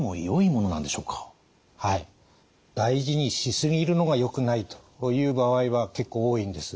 大事にし過ぎるのがよくないという場合は結構多いんです。